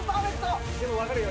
でも分かるよ。